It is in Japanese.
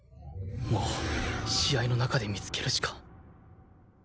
もう試合の中で見つけるしか